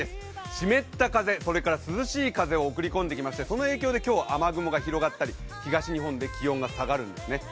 湿った風、涼しい風を送り込んできましてその影響で今日は雨雲が広がったり東日本で気温が下がるんですね。